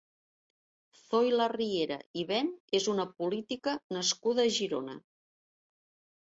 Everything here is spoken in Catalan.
Zoila Riera i Ben és una política nascuda a Girona.